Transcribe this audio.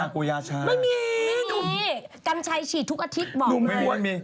กันใช้ฉี่ทุกอาทิตย์บอกเลย